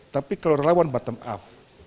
tapi kalau relawan bottom up